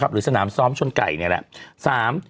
หรือสนามซ้อมชนไก่อย่างนี้แหละ